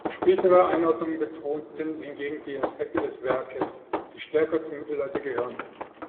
Spätere Einordnungen betonten hingegen die Aspekte des Werkes, die stärker zum Mittelalter gehören.